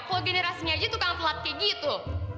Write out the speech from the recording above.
oh generasinya aja tukang telat kayak gitu